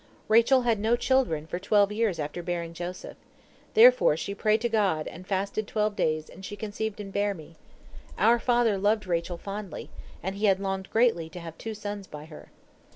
Rachel had no children for twelve years after bearing Joseph. Therefore she prayed to God, and fasted twelve days, and she conceived and bare me. Our father loved Rachel fondly, and he had longed greatly to have two sons by her.